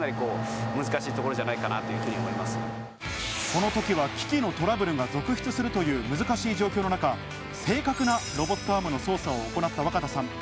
この時は機器のトラブルが続出するという難しい状況の中、正確なロボットアームの操作を行った若田さん。